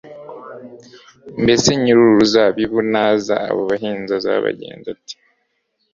Mbese nyir'uruzabibu naza, abo bahinzi azabagenza ate?»